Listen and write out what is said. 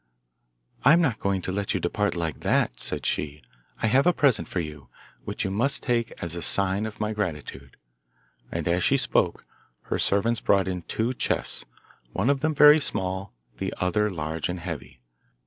'I am not going to let you depart like that,' said she; 'I have a present for you, which you must take as a sign of my gratitude.' And as she spoke, her servants brought in two chests, one of them very small, the other large and heavy.